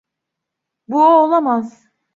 Bu o olamaz.